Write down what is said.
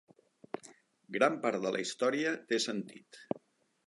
Gran part de la història té sentit.